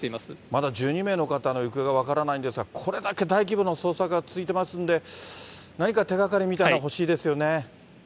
まだ１２名の方の行方が分からないんですが、これだけ大規模な捜索が続いてますんで、何か手がかりみたいなのが欲しいですよね。